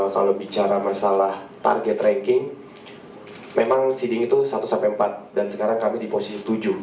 kalau bicara masalah target ranking memang seeding itu satu sampai empat dan sekarang kami di posisi tujuh